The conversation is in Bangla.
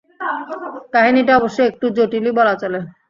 কাহিনীটা অবশ্য একটু জটিলই বলা চলে!